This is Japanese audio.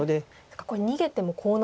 これ逃げてもコウなんですね。